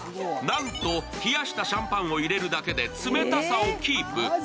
なんと、冷やしたシャンパンを入れるだけで冷たさをキープ。